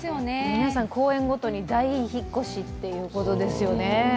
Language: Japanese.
皆さん、公演ごとに大引っ越しっていうことですよね。